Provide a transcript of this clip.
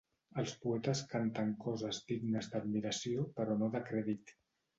Els poetes canten coses dignes d'admiració però no de crèdit.